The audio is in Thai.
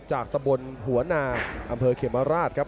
จากตะบนหัวนาอำเภอเขมราชครับ